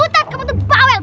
ustadz kamu tuh bawel